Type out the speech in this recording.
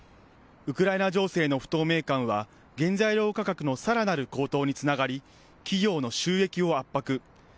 ウクライナ情勢の不透明感は原材料価格のさらなる高騰につながり、企業の収益を圧迫。